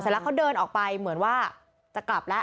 แล้วเขาเดินออกไปเหมือนว่าจะกลับแล้ว